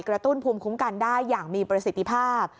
กระตุ้นภูมิคุ้มกันได้อย่างมีประสิทธิภาพ